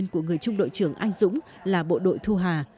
của người trung đội trưởng anh dũng là bộ đội thu hà